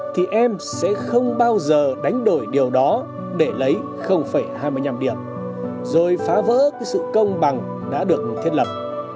nhưng lại không bao giờ đánh đổi điều đó để lấy hai mươi năm điểm rồi phá vỡ sự công bằng đã được thiết lập